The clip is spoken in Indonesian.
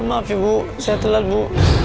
maaf ya bu saya telat bu